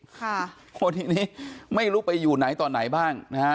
ค่ะโอ้ทีนี้ไม่รู้ไปอยู่ไหนต่อไหนบ้างนะฮะ